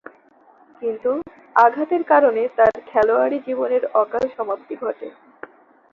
কিন্তু, আঘাতের কারণে তার খেলোয়াড়ী জীবনের অকাল সমাপ্তি ঘটে।